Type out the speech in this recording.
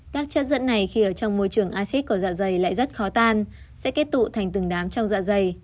các chất dẫn này khi ở trong môi trường acid của dạ dày lại rất khó tan sẽ kết tụ thành từng đám trong dạ dày